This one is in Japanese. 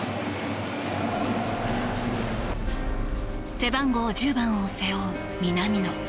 背番号１０番を背負う南野。